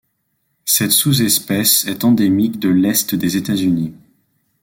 Cette sous-espèce est endémique de l'est des États-Unis.